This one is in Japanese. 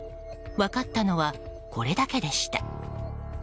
分かったのはこれだけでした。